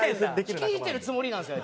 率いてるつもりなんですよ。